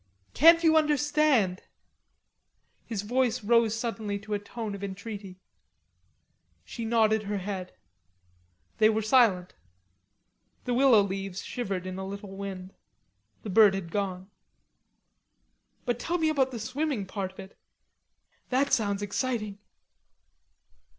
Can't you understand?" His voice rose suddenly to a tone of entreaty. She nodded her head. They were silent. The willow leaves shivered in a little wind. The bird had gone. "But tell me about the swimming part of it. That sounds exciting."